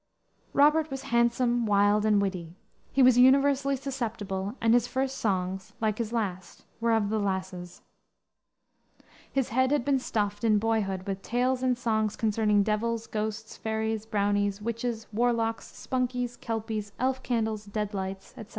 Robert was handsome, wild, and witty. He was universally susceptible, and his first songs, like his last, were of "the lasses." His head had been stuffed, in boyhood, with "tales and songs concerning devils, ghosts, fairies, brownies, witches, warlocks, spunkies, kelpies, elf candles, dead lights," etc.